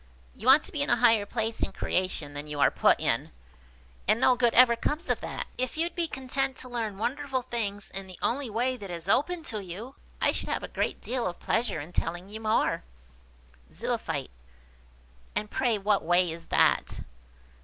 You want to be in a higher place in creation than you are put in, and no good ever comes of that. If you'd be content to learn wonderful things in the only way that is open to you, I should have a great deal of pleasure in telling you more." Zoophyte. "And pray what way is that?"